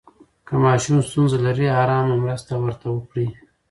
که ماشوم ستونزه لري، آرامه مرسته ورته وکړئ.